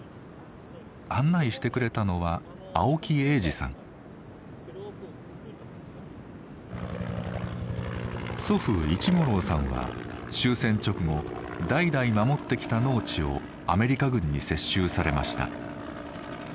案内してくれたのは祖父市五郎さんは終戦直後代々守ってきた農地をアメリカ軍に接収されました。